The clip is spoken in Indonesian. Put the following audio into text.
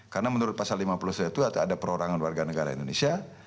karena menurut pasal lima puluh satu itu ada perorangan warga negara indonesia